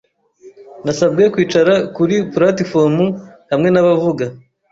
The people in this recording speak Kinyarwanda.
Nasabwe kwicara kuri platifomu hamwe n'abavuga.